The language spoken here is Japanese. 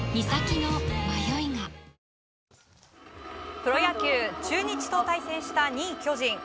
プロ野球中日と対戦した２位、巨人。